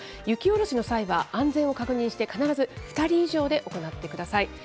雪下ろしの際は、安全を確認して、必ず２人以上で行ってください。